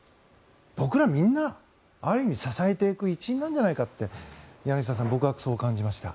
僕らみんな、ある意味支えていく一員なんじゃないかって柳澤さん、僕はそう感じました。